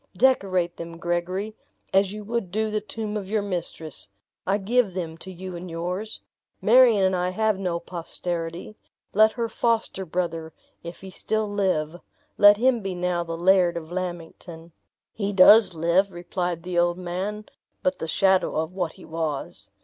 Decorate them, Gregory, as you would do the tomb of your mistress. I give them to you and yours. Marion and I have no posterity! Let her foster brother, if he still live let him be now the Laird of Lammington." "He does live," replied the old man, "but the shadow of what he was.